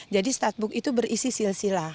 jadi statbook itu berisi silsila